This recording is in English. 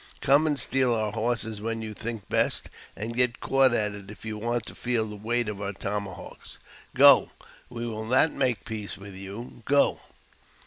Come and steal our horses when you think best, and get caught at it if you want to feel the weight of our tomahawks. Go ! we will not make peace with you ; go